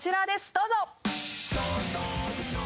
どうぞ！